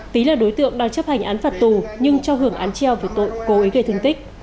tý là đối tượng đang chấp hành án phạt tù nhưng cho hưởng án treo về tội cố ý gây thương tích